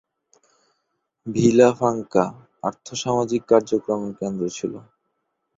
Villa Franca আর্থ-সামাজিক কার্যক্রমের কেন্দ্র ছিল।